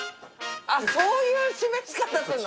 そういう示し方するの？